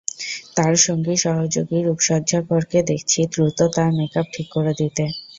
তাঁর সঙ্গী সহযোগী রুপসজ্জাকরকে দেখছি দ্রুত তাঁর মেকআপ ঠিক করে দিতে।